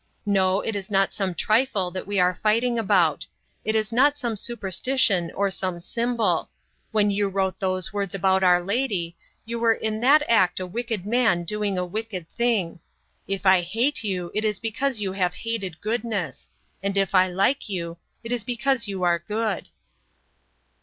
No, it is not some trifle that we are fighting about. It is not some superstition or some symbol. When you wrote those words about Our Lady, you were in that act a wicked man doing a wicked thing. If I hate you it is because you have hated goodness. And if I like you...it is because you are good."